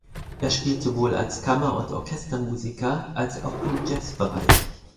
Er spielt sowohl als Kammer- und Orchestermusiker, als auch im Jazzbereich.